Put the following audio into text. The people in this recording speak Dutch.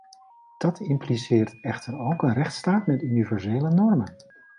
Dat impliceert echter ook een rechtsstaat met universele normen.